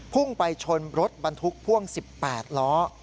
พุ่งไปชนรถบรรทุกพ่วง๑๘ล้อ